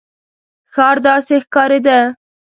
ښار داسې ښکارېده.